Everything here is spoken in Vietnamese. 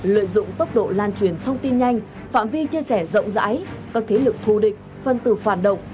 lợi dụng tốc độ lan truyền thông tin nhanh phạm vi chia sẻ rộng rãi các thế lực thù địch phân tử phản động